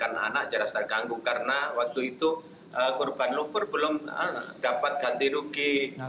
saya juga tidak akan meminta anak anak jelas terganggu karena waktu itu kurban lumpur belum dapat keganti rugi